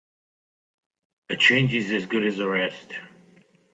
A change is as good as a rest.